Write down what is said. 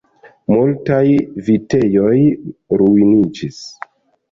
Multaj vitejoj ruiniĝis!